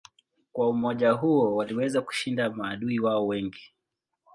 Kwa umoja huo waliweza kushinda maadui wao wengi.